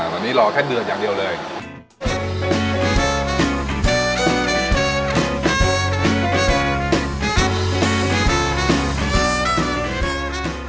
ตอนนี้รอแค่เดือดอย่างเดียวเลย